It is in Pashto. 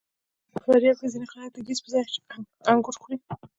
په فاریاب کې ځینې خلک د ګیځ په چای انګور خوري.